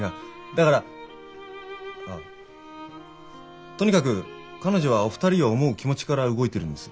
だからとにかく彼女はお二人を思う気持ちから動いてるんです。